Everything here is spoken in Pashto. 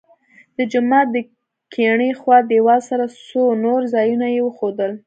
د جومات د کیڼې خوا دیوال سره څو نور ځایونه یې وښودل.